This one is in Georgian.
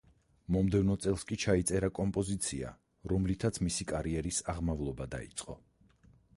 მომდევნო წელს კი ჩაიწერა კომპოზიცია, რომლითაც მისი კარიერის აღმავლობა დაიწყო.